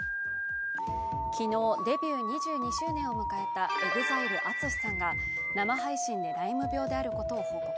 昨日、デビュー２２周年を迎えたＥＸＩＬＥ・ＡＴＳＵＳＨＩさんが生配信でライム病であることを報告。